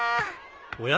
おや？